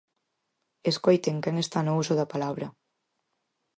Escoiten quen está no uso da palabra.